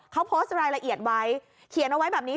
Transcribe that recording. เค้าโพสต์รายละเอียดไว้